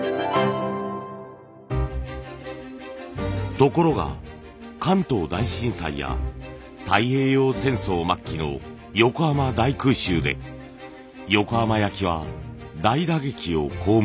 ところが関東大震災や太平洋戦争末期の横浜大空襲で横浜焼は大打撃を被ります。